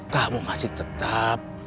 kamu masih tetap